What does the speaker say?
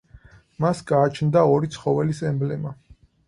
მას გააჩნდა ორი ცხოველის ემბლემა.